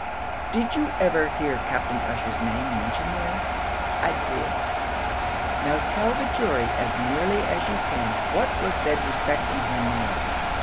"Did you ever hear Captain Ussher's name mentioned there?" "I did." "Now tell the jury as nearly as you can what was said respecting him there."